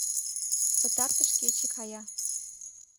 Пытартыш кече кая.